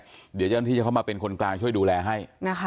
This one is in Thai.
เดี๋ยวเจ้าหน้าที่จะเข้ามาเป็นคนกลางช่วยดูแลให้